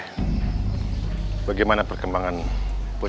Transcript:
gw juga nggak suka ketepatan dia di sini g copyright